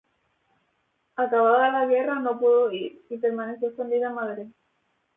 Acabada la guerra no pudo huir, y permaneció escondida en Madrid.